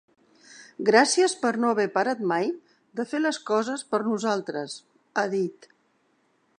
Gràcies per no haver parat mai de fer les coses per nosaltres, ha dit.